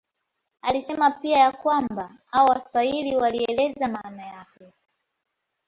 Alisema pia ya kwamba hao Waswahili walieleza maana yake